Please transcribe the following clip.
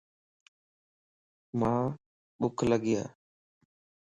مان ٻک لڳي ا.